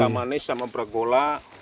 namanya cinta manis sama beragola